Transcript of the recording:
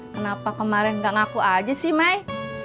kenapa kemarin gak ngaku aja sih mai